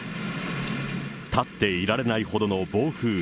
立っていられないほどの暴風。